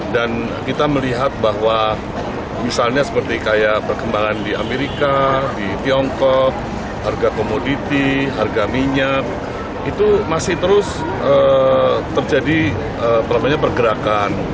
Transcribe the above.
kita melihat bahwa misalnya seperti kayak perkembangan di amerika di tiongkok harga komoditi harga minyak itu masih terus terjadi pergerakan